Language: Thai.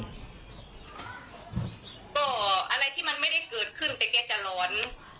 ก็อะไรที่มันไม่ได้เกิดขึ้นแต่แกจะหลอน